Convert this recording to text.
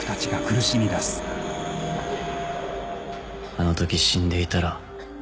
あのとき死んでいたら。